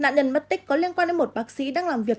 nạn nhân mất tích có liên quan đến một bác sĩ đang làm việc